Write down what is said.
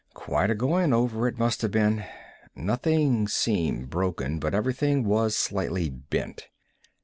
Quite a going over it must have been. Nothing seemed broken, but everything was slightly bent.